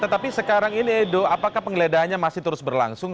tetapi sekarang ini edo apakah penggeledahannya masih terus berlangsung